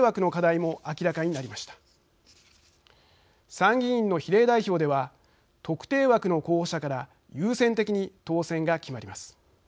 参議院の比例代表では特定枠の候補者から優先的に当選が決まります。